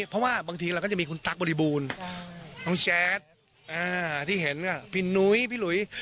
เพราะว่าบางทีเราก็จะมีคุณตั๊กบริบูรณ์น้องแจ๊ดที่เห็นพี่นุ้ยพี่หลุย